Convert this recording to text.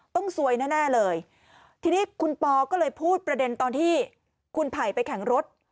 ซวยแน่เลยทีนี้คุณปอก็เลยพูดประเด็นตอนที่คุณไผ่ไปแข่งรถ